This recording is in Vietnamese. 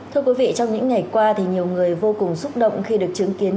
thưa quý vị trong những ngày qua thì nhiều người vô cùng xúc động khi được chứng kiến